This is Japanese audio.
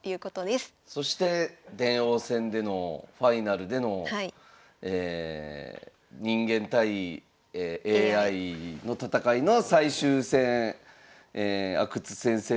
そして電王戦でのファイナルでの人間対ＡＩの戦いの最終戦阿久津先生